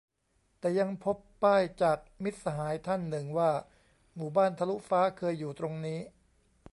แต่ยังพบป้ายจาก มิตรสหายท่านหนึ่ง ว่า หมู่บ้านทะลุฟ้า เคยอยู่ตรงนี้